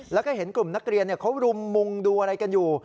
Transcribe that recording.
แล้วก็เห็นกลุ่มนักเรียนเขารุมมุงดูอะไรกันอยู่